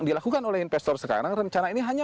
dilakukan oleh investor sekarang rencana ini hanya